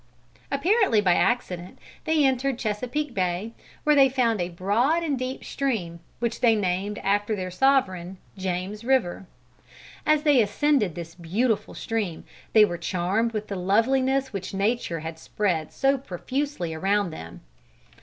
Apparently by accident, they entered Chesapeake Bay, where they found a broad and deep stream, which they named after their sovereign, James River. As they ascended this beautiful stream, they were charmed with the loveliness which nature had spread so profusely around them.